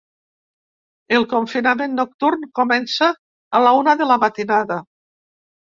El confinament nocturn comença a la una de la matinada.